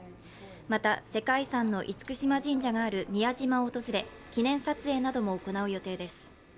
また、世界遺産の厳島神社がある宮島を訪れ記念撮影なども行う予定です。